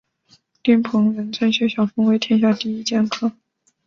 丁鹏仍称谢晓峰为天下第一剑客。